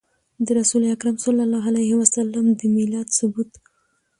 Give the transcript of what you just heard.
د رسول اکرم صلی الله عليه وسلم د ميلاد ثبوت